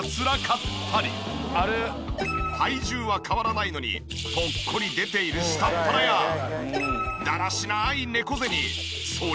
体重は変わらないのにぽっこり出ている下っ腹やだらしない。